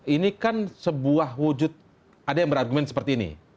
ini kan sebuah wujud ada yang berargumen seperti ini